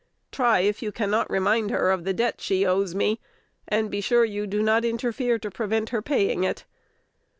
Try if you cannot remind her of that debt she owes me, and be sure you do not interfere to prevent her paying it.